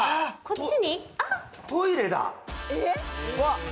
トイレだ！